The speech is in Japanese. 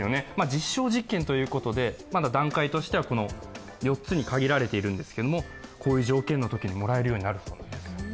実証実験ということでまだ段階としてはこの４つに限られているんですが、こういう条件のときにもらえるようになるということです。